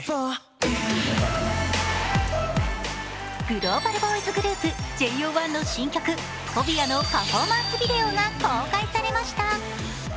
グローバルボーイズグループＪＯ１の新曲、「Ｐｈｏｂｉａ」のパフォーマンスビデオが公開されました。